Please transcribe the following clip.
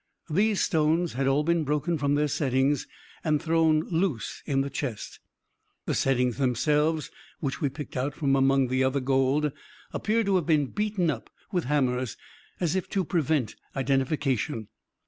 These stones had all been broken from their settings and thrown loose in the chest. The settings themselves, which we picked out from among the other gold, appeared to have been beaten up with hammers, as if to prevent identification.